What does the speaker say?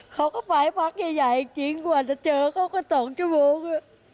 เขาก็ไปพักใหญ่จริงกว่าจะเจอเขาก็๒ชั่วโมง